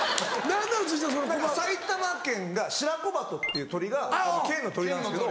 埼玉県がシラコバトっていう鳥が県の鳥なんですけど。